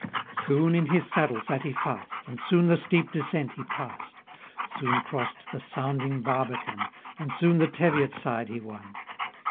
Soon in his saddle sate he fast, And soon the steep descent he past, Soon crossed the sounding barbican,* And soon the Teviot side he won.